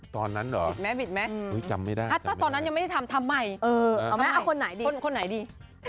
ตอนนั้นหรอจำไม่ได้ถ้าตอนนั้นยังไม่ได้ทำทำไมทำไงคนไหนดี้